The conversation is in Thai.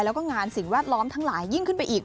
แล้วก็งานสิ่งแวดล้อมทั้งหลายยิ่งขึ้นไปอีก